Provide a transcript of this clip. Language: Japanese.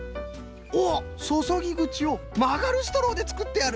おっそそぎぐちをまがるストローでつくってある！